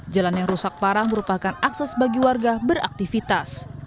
jalan yang rusak parah merupakan akses bagi warga beraktivitas